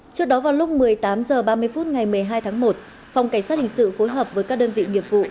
trước đó vào lúc một mươi tám h ba mươi phút ngày một mươi hai tháng một phòng cảnh sát hình sự phối hợp với các đơn vị nghiệp vụ